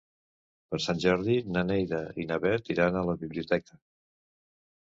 Per Sant Jordi na Neida i na Bet iran a la biblioteca.